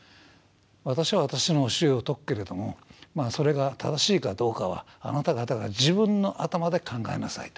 私は私の教えを説くけれどもそれが正しいかどうかはあなた方が自分の頭で考えなさいと。